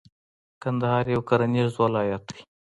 کندهار یو کرنیز ولایت دی.